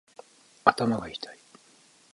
頭がいたい